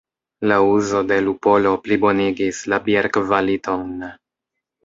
La uzo de lupolo plibonigis la bierkvaliton.